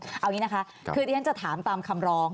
เอาอย่างนี้นะคะคือที่ฉันจะถามตามคำร้อง